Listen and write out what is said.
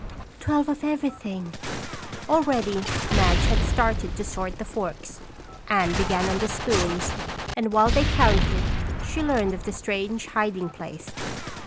"Twelve of everything." Already Madge had started to sort the forks. Anne began on the spoons and while they counted, she learned of the strange hiding place.